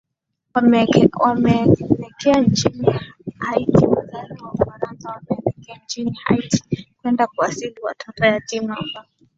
wameelekea nchini haiti wazazi wa ufaransa wameelekea nchini haiti kwenda kuasili watoto yatima ambao